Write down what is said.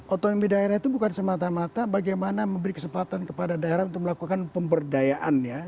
otonomi daerah itu bukan semata mata bagaimana memberi kesempatan kepada daerah untuk melakukan pemberdayaan ya